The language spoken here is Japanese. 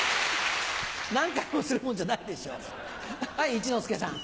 一之輔さん。